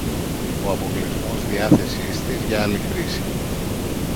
ο αποκλεισμός διάθεσης της για άλλη χρήση